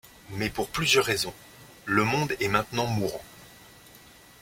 Mais pour plusieurs raisons, le monde est maintenant mourant.